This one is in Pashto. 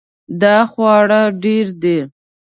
دا خواړه ډیر دي